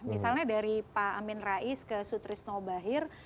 misalnya dari pak amin rais ke sutris nobahir